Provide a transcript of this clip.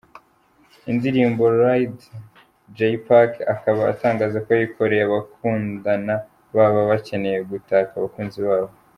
Indirimbo ‘Ride’ Jay Pac akaba atangaza ko yayikoreye abakundana baba bakeneye gutaka abakunzi babo.